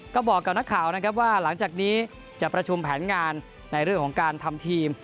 ก็บอกกับนักข่าวนะครับว่าหลังจากนี้จะประชุมแผนงานในเรื่องของการทำทีม